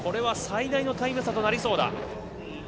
最大のタイム差となりそうだ。